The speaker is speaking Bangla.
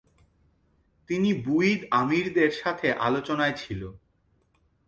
তিনি বুয়িদ আমিরদের সাথে আলোচনায় ছিল।